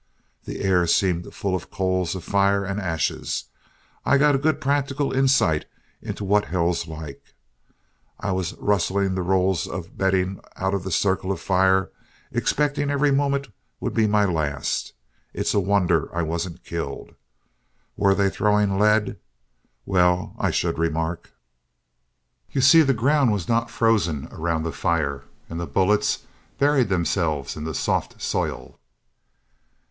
The air seemed full of coals of fire and ashes. I got good practical insight into what hell's like. I was rustling the rolls of bedding out of the circle of fire, expecting every moment would be my last. It's a wonder I wasn't killed. Were they throwing lead? Well, I should remark! You see the ground was not frozen around the fire, and the bullets buried themselves in the soft soil.